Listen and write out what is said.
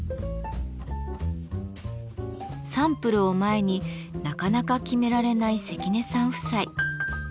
サンプルを前になかなか決められない関根さん夫妻。